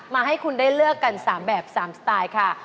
ให้คุณได้เลือกกัน๓แบบ๓สไตล์ค่ะ